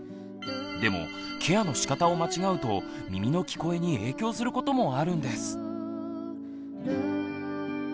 でもケアのしかたを間違うと耳の「聞こえ」に影響することもあるんです。